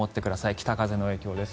北風の影響です。